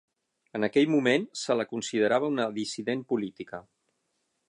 En aquell moment, se la considerava una dissident política.